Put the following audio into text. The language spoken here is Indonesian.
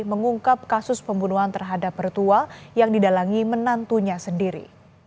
mengungkap kasus pembunuhan terhadap pertua yang didalangi menantunya sendiri